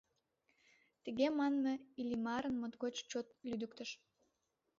Тыге манме Иллимарым моткоч чот лӱдыктыш.